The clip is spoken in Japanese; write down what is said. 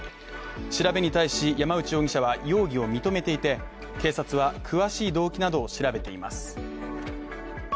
調べに対し山内容疑者は容疑を認めていて警察は詳しい動機などを調べています